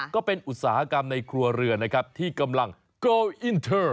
ก็เป็นอุตสาหกรรมในครัวเรือนนะครับที่กำลังโกลอินเทอร์